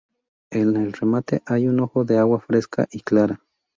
En El Remate hay un ojo de agua fresca y clara.